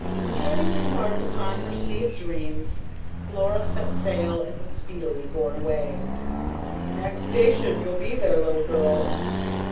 And having embarked thus upon her sea of dreams, Laura set sail and was speedily borne away. "Next station you'll be there, little girl."